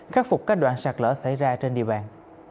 khắc phục các đoạn sạt lở xảy ra trên địa bàn